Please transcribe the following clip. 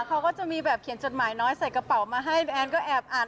เขาก็จะมีแบบเขียนจดหมายน้อยใส่กระเป๋ามาให้พี่แอนก็แอบอ่าน